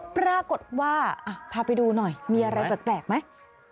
ปรากฏว่าพาไปดูหน่อยมีอะไรแปลกไหม